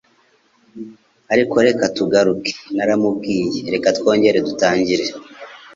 Ariko reka tugaruke naramubwiye reka twongere dutangire